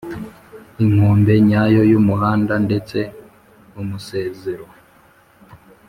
inkombe nyayo y'umuhanda ndetse umusezero